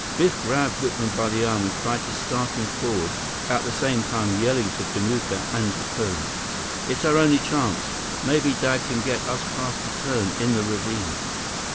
Biff grabbed Whitman by the arm and tried to start him forward, at the same time yelling to Kamuka and Jacome: "It's our only chance! Maybe Dad can get us past the turn in the ravine!"